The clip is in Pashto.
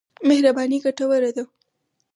مهرباني ګټوره ده.